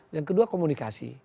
yang kedua komunikasi